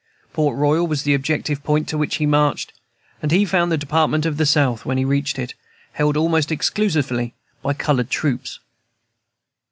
Port Royal was the objective point to which he marched, and he found the Department of the South, when he reached it, held almost exclusively by colored troops.